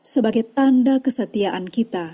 sebagai tanda kesetiaan kita